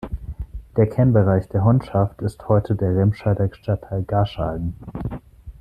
Der Kernbereich der Honschaft ist heute der Remscheider Stadtteil Garschagen.